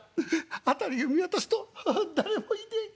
辺りを見渡すと誰もいねえ。